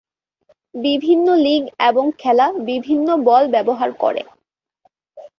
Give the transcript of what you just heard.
বিভিন্ন লিগ এবং খেলা বিভিন্ন বল ব্যবহার করে।